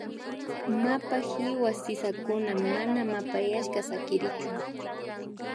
Mapa hiwa sisakuna mana mapayashka sakirichun